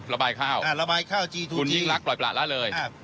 ระบายข้าวระบายข้าวจีทูคุณยิ่งรักปล่อยประละเลย